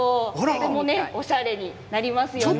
とても、おしゃれになりますよね。